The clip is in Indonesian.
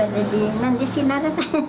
pada diet nanti sinar